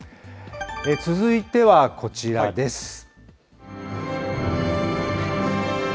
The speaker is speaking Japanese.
続いてはこちらです。